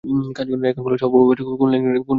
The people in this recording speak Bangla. এখন বল, সাওভ্যাজ কেন ইংল্যান্ডের রাজা হতে চাচ্ছে?